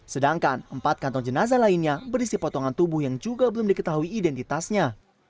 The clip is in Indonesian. sedangkan empat kantong jenazah lainnya berisi potongan tubuh yang juga belum diketahui identitasnya